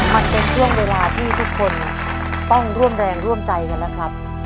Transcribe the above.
มันเป็นช่วงเวลาที่ทุกคนต้องร่วมแรงร่วมใจกันแล้วครับ